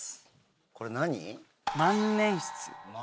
これ何？